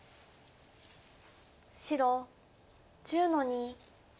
白１０の二。